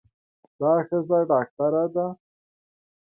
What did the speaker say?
دا ښځه ډاکټره ده.